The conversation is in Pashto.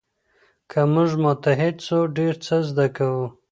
که موږ متحد سو ډېر څه زده کوو.